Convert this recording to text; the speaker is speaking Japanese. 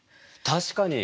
確かに！